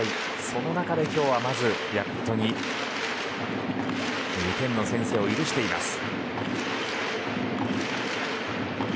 その中で今日はまずヤクルトに２点の先制を許しています。